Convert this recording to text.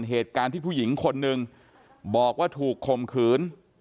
เหตุการณ์ที่ผู้หญิงคนหนึ่งบอกว่าถูกข่มขืน